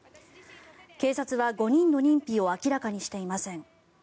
警察は５人の認否を明らかにしていません。